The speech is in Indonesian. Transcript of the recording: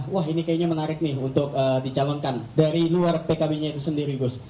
wah ini kayaknya menarik nih untuk dicalonkan dari luar pkb nya itu sendiri gus